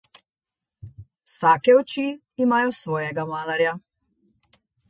Vsake oči imajo svojega malarja.